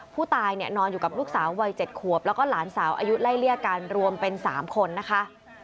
ผู้ตายเนี่ยนอนอยู่กับลูกสาววัย๗ขวบแล้วก็หลานสาวอายุไล่เลี่ยกันรวมเป็น๓คนนะคะ